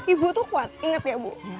ibu tuh kuat ingat ya bu